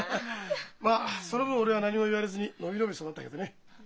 まあその分俺は何も言われずに伸び伸び育ったけどね。